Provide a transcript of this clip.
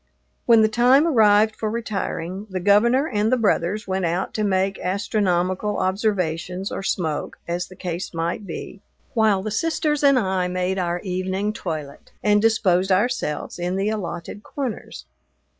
When the time arrived for retiring, the Governor and the brothers went out to make astronomical observations or smoke, as the case might be, while the sisters and I made our evening toilet, and disposed ourselves in the allotted corners.